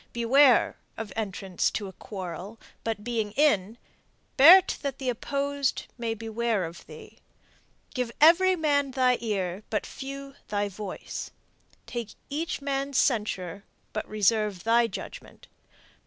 Beware Of entrance to a quarrel, but, being in, Bear 't that the opposed may beware of thee. Give every man thy ear, but few thy voice; Take each man's censure, but reserve thy judgment.